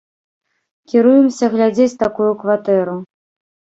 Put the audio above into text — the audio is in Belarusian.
Кіруемся глядзець такую кватэру.